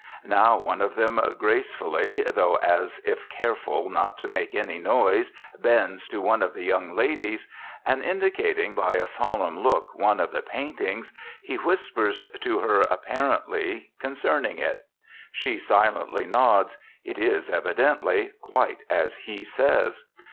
Now one of them gracefully, though as if careful not to make any noise, bends to one of the young ladies; and, indicating by a solemn look one of the paintings, he whispers to her apparently concerning it. She silently nods: it is, evidently, quite as he says.